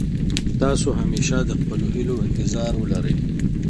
تاسو همېشه د خپلو هيلو انتظار ولرئ.